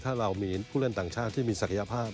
ถ้าเรามีผู้เล่นต่างชาติที่มีศักยภาพ